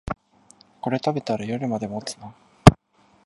これ食べたら夜まで持つな